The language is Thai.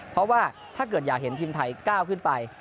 เพราะว่าถ้าเกิดอยากเห็นทีมไทยก้าวขึ้นไป